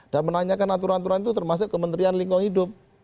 dan menanyakan aturan aturan itu termasuk kementerian lingkungan hidup